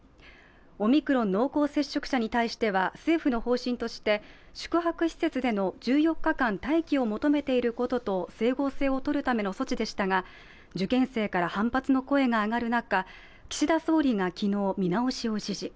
オミクロン濃厚接触者に対しては政府の方針として宿泊施設での１４日間待機を求めていることと整合性を取るための措置でしたが受験生から反発の声が上がる中、岸田総理が昨日、見直しを指示。